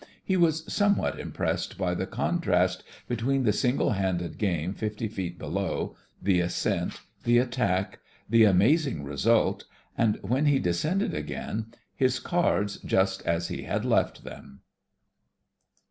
He was somewhat impressed by the contrast between the single handed game 50 feet below, the ascent, the at tack, the amazing result, and when he descended again, his cards just as he had left them.